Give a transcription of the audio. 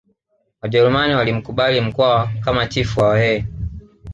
Wajerumani walimkubali Mkwawa kama chifu wa Wahehe